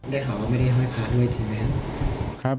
ได้ข่าวว่าไม่ได้ห้อยพะด้วยใช่ไหมครับ